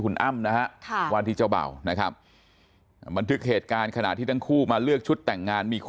เลยเกิดเหตุการณ์ขนาดที่ทั้งคู่มาเลือกชุดแต่งงาน